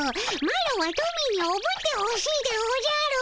マロはトミーにおぶってほしいでおじゃる。